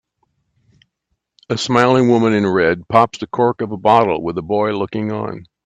A smiling woman in red pops the cork of a bottle with a boy looking on.